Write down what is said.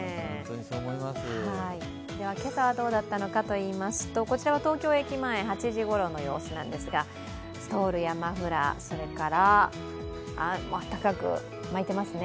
では今朝はどうだったのかといいますと、こちらは東京駅前８時ごろの様子なんですがストールやマフラー、温かく巻いてますね。